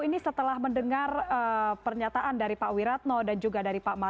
ini pada saat itu remarkable